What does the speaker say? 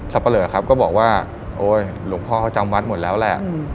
ปะเลอครับก็บอกว่าโอ๊ยหลวงพ่อเขาจำวัดหมดแล้วแหละ